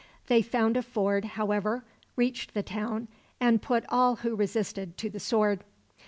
They found a ford, however; reached the town, and put all who resisted to the sword.